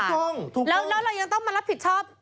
ถูกต้องแล้วเรายังต้องมารับผิดชอบ